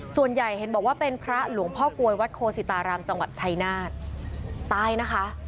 ส่วนใหญ่เห็นบอกว่าเป็นพระหลวงพ่อกลวยวัดโคศิตารามจังหวัดชายนาฏตายนะคะ